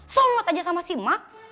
selamat aja sama si mak